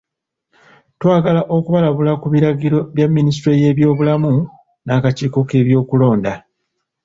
Twagala okubalabula ku biragiro bya Minisitule y'ebyobulamu n'akakiiko k'ebyokulonda.